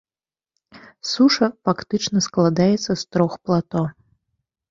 Суша фактычна складаецца з трох плато.